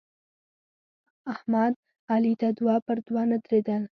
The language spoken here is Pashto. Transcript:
احمد علي ته دوه پر دوه نه درېدل.